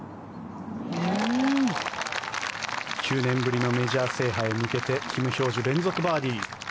９年ぶりのメジャー制覇へ向けてキム・ヒョージュ連続バーディー。